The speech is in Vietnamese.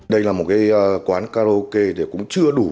đây là một quán karaoke cũng chưa đủ